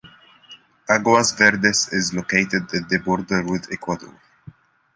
Aguas Verdes is located in the border with Ecuador.